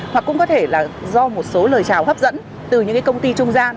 hoặc cũng có thể là do một số lời chào hấp dẫn từ những cái công ty trung gian